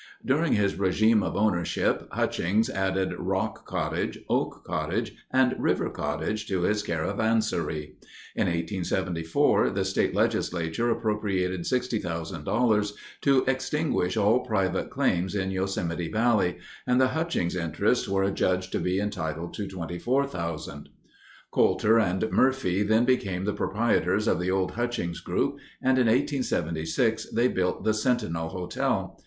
During his regime of ownership, Hutchings added Rock Cottage, Oak Cottage, and River Cottage to his caravansary. In 1874 the state legislature appropriated $60,000 to extinguish all private claims in Yosemite Valley, and the Hutchings interests were adjudged to be entitled to $24,000. Coulter and Murphy then became the proprietors of the old Hutchings group and in 1876 they built the Sentinel Hotel.